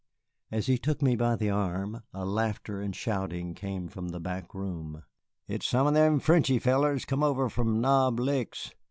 As he took me by the arm, a laughter and shouting came from the back room. "It's some of them Frenchy fellers come over from Knob Licks.